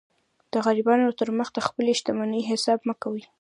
د غریبانو تر مخ د خپلي شتمنۍ حساب مه کوئ!